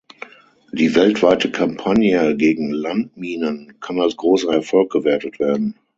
Die weltweite Kampagne gegen Landminen kann als großer Erfolg gewertet werden.